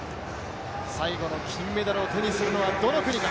最後の金メダルを手にするのは、どの国か。